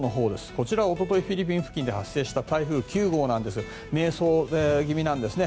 こちら、おとといフィリピン付近で発生した台風９号ですが迷走気味なんですね。